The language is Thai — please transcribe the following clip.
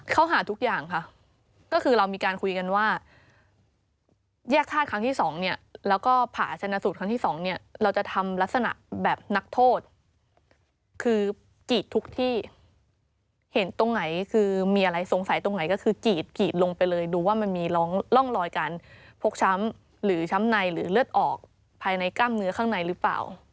เขาหาทุกอย่างค่ะก็คือเรามีการคุยกันว่าแยกท่าครั้งที่สองเนี่ยแล้วก็ผ่าชนะสูตรครั้งที่สองเนี่ยเราจะทำลักษณะแบบนักโทษคือกรีดทุกที่เห็นตรงไหนคือมีอะไรสงสัยตรงไหนก็คือกรีดกรีดลงไปเลยดูว่ามันมีร่องรอยการพกช้ำหรือช้ำในหรือเลือดออกภายในกล้ามเนื้อข้างในหรือเปล่า